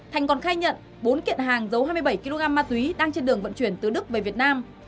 thành còn khai nhận bốn kiện hàng giấu hai mươi bảy kg ma túy đang trên đường vận chuyển từ đức về việt nam